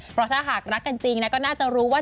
เพราะถ้าหากรักกันจริงนะก็น่าจะรู้ว่า